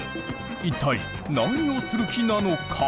一体何をする気なのか？